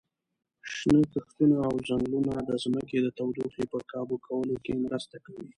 شنه کښتونه او ځنګلونه د ځمکې د تودوخې په کابو کولو کې مرسته کوي.